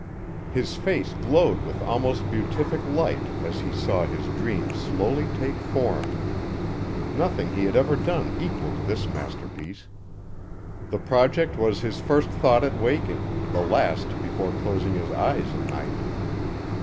His face glowed with almost beatific light as he saw his dream slowly take form. Nothing he had ever done equalled this masterpiece. The project was his first thought at waking, the last before closing his eyes at night.